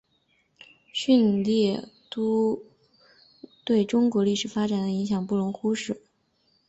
旭烈兀对中国历史发展的影响不容忽视。